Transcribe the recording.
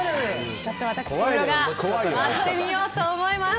ちょっと私、小室が割ってみようと思います。